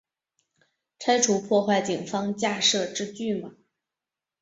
拆除破坏警方架设之拒马